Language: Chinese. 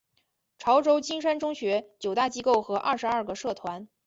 潮州金山中学九大机构和二十二个社团。